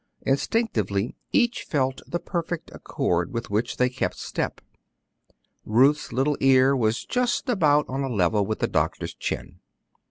Instinctively, each felt the perfect accord with which they kept step. Ruth's little ear was just about on a level with the doctor's chin.